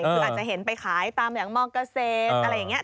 คืออาจจะเห็นไปขายตามหลังมเกษตรอะไรอย่างนี้